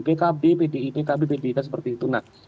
pkb pdi pkb pdi seperti itu